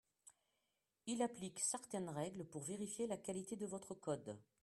Il applique certaines règles pour vérifier la qualité de votre code